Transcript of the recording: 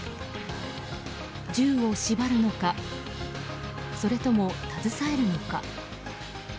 銃を縛るのかそれとも携えるのか。